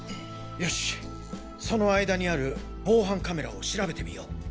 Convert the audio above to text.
よしその間にある防犯カメラを調べてみよう。